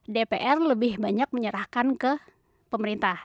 dpr lebih banyak menyerahkan ke pemerintah